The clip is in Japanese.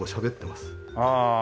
ああ。